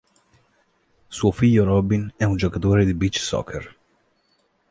Suo figlio Robin è un giocatore di beach soccer.